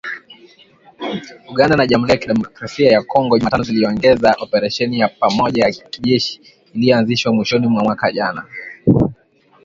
Uganda na Jamhuri ya Kidemokrasi ya Kongo Jumatano ziliongeza operesheni ya pamoja ya kijeshi iliyoanzishwa mwishoni mwa mwaka jana